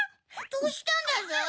どうしたんだゾウ？